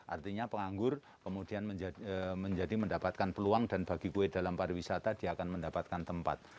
artinya penganggur kemudian menjadi mendapatkan peluang dan bagi kue dalam pariwisata dia akan mendapatkan tempat